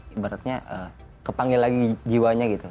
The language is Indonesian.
ibaratnya kepanggil lagi jiwanya gitu